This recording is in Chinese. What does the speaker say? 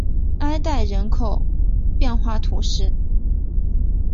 埃代人口变化图示